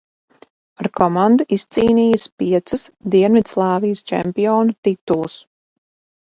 Ar komandu izcīnījis piecus Dienvidslāvijas čempionu titulus.